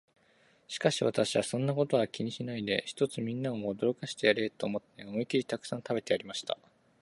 しかし私は、そんなことは気にしないで、ひとつみんなを驚かしてやれと思って、思いきりたくさん食べてやりました。